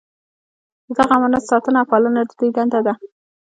د دغه امانت ساتنه او پالنه د دوی دنده ده.